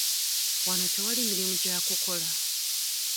Wano tewali mirimu gya kukola.